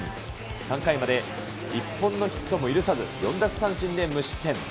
３回まで一本のヒットも許さず、４奪三振で無失点。